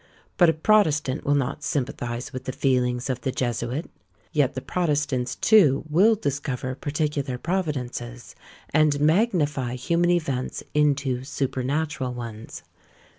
But a protestant will not sympathise with the feelings of the Jesuit; yet the protestants, too, will discover particular providences, and magnify human events into supernatural ones.